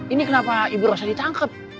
ini kenapa ibu rosa ditangkap